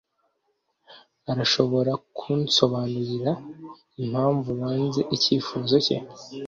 Urashobora kunsobanurira impamvu wanze icyifuzo cye?